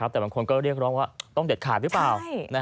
แต่บางคนก็เรียกร้องว่าต้องเด็ดขาดหรือเปล่า